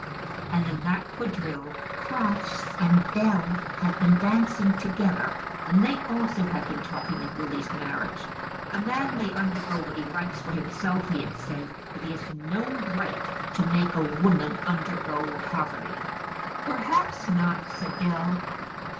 And in that quadrille Crofts and Bell had been dancing together, and they also had been talking of Lily's marriage. "A man may undergo what he likes for himself," he had said, "but he has no right to make a woman undergo poverty." "Perhaps not," said Bell.